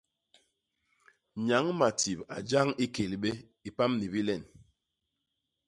Nyañ Matip a jañ i Kélbé i pam ni bilen.